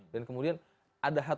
dan kemudian ada hatu hati